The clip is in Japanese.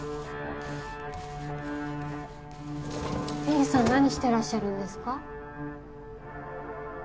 刑事さん何してらっしゃるんですか？